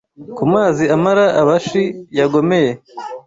Ku mazi amara Abashi yagomeye